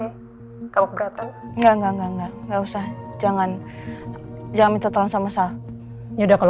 enggak enggak enggak enggak nggak usah jangan jamin total sama mel